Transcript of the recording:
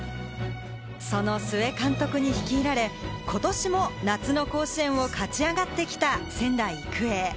その須江監督に率いられ、ことしも夏の甲子園を勝ち上がってきた仙台育英。